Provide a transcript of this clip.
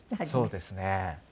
そうですね。